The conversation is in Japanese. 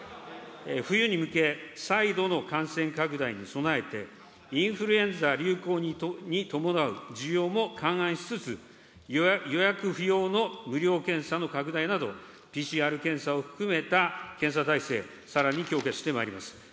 冬に向け、再度の感染拡大に備えて、インフルエンザ流行に伴う需要も勘案しつつ、予約不要の無料検査の拡大など、ＰＣＲ検査を含めた検査体制、さらに強化してまいります。